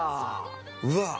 うわっ！